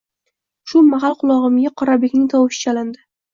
Shu mahal qulog‘imga Qorabekaning tovushi chalindi: